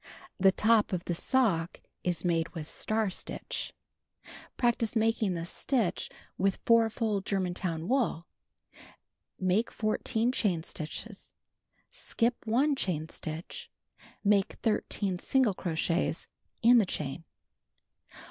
The top of the sock is made with The Magic Paper 251 Star Stitch Practice making this stitch with four fold Germantown wool. Make 14 chain stitches. Skip 1 chain stitch. Make 13 single crochets in the chain.